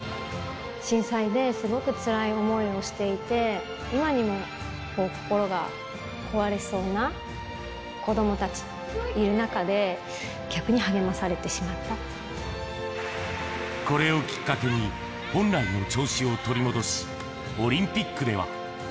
励ますはずだった子どもたち震災ですごくつらい思いをしていて、今にも心が壊れそうな子どもたちがいる中で、逆に励まされてしまこれをきっかけに、本来の調子を取り戻し、オリンピックでは。